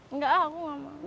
enggak aku mau